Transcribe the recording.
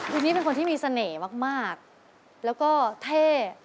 คุณนี่เป็นคนที่มีเสน่ห์มากแล้วก็เท่